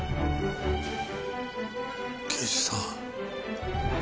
刑事さん。